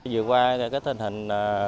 vừa qua cái tình hình